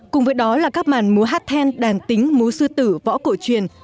cùng với đó là các màn múa hát then đàn tính múa sư tử võ cổ truyền